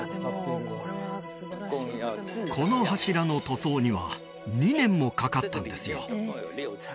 この柱の塗装には２年もかかったんですよ